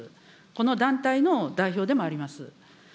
この団体の代表でもあります。